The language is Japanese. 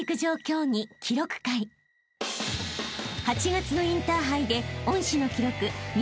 ［８月のインターハイで恩師の記録